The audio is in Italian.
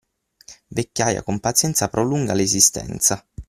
Vecchiaia con pazienza prolunga l'esistenza.